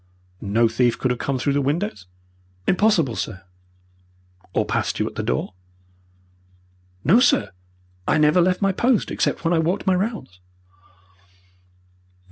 "No thief could have come through the windows?" "Impossible, sir." "Or passed you at the door?" "No, sir; I never left my post except when I walked my rounds."